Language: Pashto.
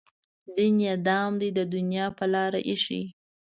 دین یې دام دی د دنیا په لاره ایښی.